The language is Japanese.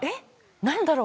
何だろう？